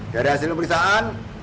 dari hasil periksaan